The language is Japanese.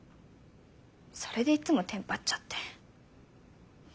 それでいつもテンパっちゃって。